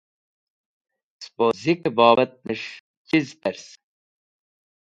Sepozikẽ bobatnẽs̃h chiz pẽrz.